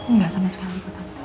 enggak sama sekali